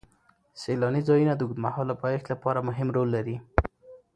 سیلاني ځایونه د اوږدمهاله پایښت لپاره مهم رول لري.